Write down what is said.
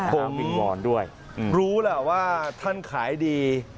ผมรู้แล้วว่าท่านขายดี